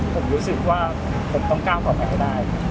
ผมรู้สึกว่าผมต้องก้าวต่อไปให้ได้